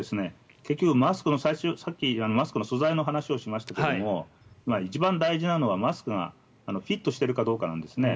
結局、マスクの素材の話をさっきしましたが一番大事なのはマスクがフィットしているかどうかなんですね。